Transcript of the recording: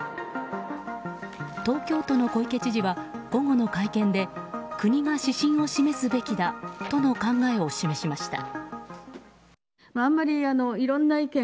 東京都の小池知事は午後の会見で国が指針を示すべきだとの考えを示しました。